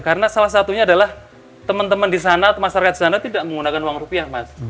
karena salah satunya adalah teman teman di sana masyarakat di sana tidak menggunakan uang rupiah mas